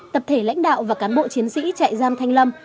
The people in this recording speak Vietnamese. tập thể lãnh đạo và cán bộ chiến sĩ trại giam thanh lâm